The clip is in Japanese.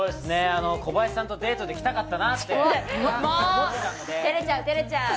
小林さんとデートで来たかったなと。